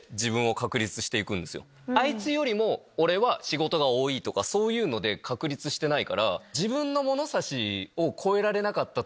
あいつよりも俺は仕事が多いとかそういうので確立してないから。